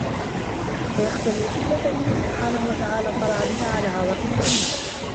فَيَخْتَلُّوا حِكْمَةً مِنْهُ سُبْحَانَهُ وَتَعَالَى اطَّلَعَ بِهَا عَلَى عَوَاقِبِ الْأُمُورِ